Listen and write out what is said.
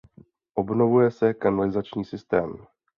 Obnovuje se kanalizační systém.